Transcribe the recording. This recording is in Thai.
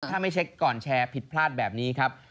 ถ้าไม่เช็คก่อนแชร์ผิดพลาดแบบนี้ครับ